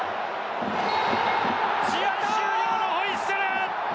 試合終了のホイッスル。